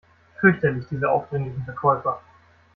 Fürchterlich, diese aufdringlichen Verkäufer!